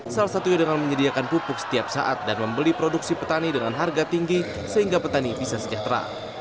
salah satunya dengan menyediakan pupuk setiap saat dan membeli produksi petani dengan harga tinggi sehingga petani bisa sejahtera